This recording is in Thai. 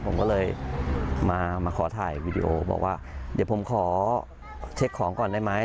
ผมก็เลยมาขอถ่ายวีดีโอบอกว่าเดี๋ยวผมขอเช็คของก่อนได้ไหม